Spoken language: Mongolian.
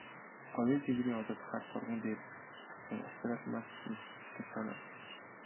Говийн тэнгэрийн одод хар торгон дээр цацсан очир алмаас мэт гялтганан.